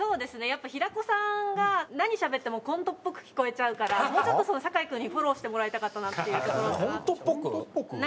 やっぱり平子さんが何しゃべってもコントっぽく聞こえちゃうからもうちょっと酒井君にフォローしてもらいたかったなっていうところかな。